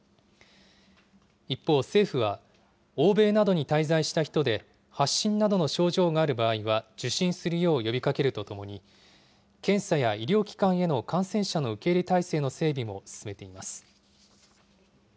一方、政府は、欧米などに滞在した人で、発疹などの症状がある場合は、受診するよう呼びかけるとともに、検査や医療機関への感染者の受け入れ体制の整備も進めています。